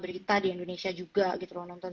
berita di indonesia juga gitu loh nonton